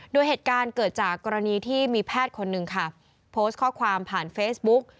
โดยเหตุการณ์เกิดจากกรณีที่มีแพทย์คนหนึ่งค่ะโพสต์ข้อความผ่านเฟซบุ๊ก